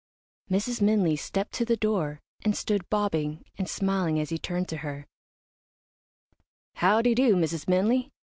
Mrs. Minley stepped to the door, and stood bobbing and smiling as he turned to her. "How de do, Mrs. Minley.